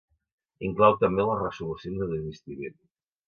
Inclou també les resolucions de desistiment.